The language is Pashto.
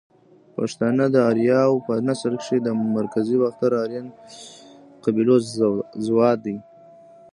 پښتانه ده اریاو په نسل کښی ده مرکزی باختر آرین قبیلو زواد دی